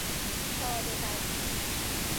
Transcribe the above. ساده وضعی